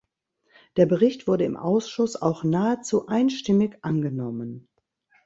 Der Bericht wurde im Ausschuss auch nahezu einstimmig angenommen.